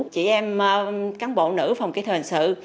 chị em cán bộ nữ phòng kỹ thuật hình sự